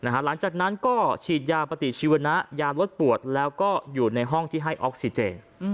หลังจากนั้นก็ฉีดยาปฏิชีวนะยาลดปวดแล้วก็อยู่ในห้องที่ให้ออกซิเจน